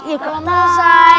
ya nggak usah